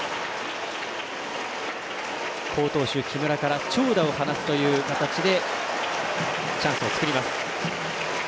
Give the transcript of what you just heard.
好投手、木村から長打を放つという形でチャンスを作ります。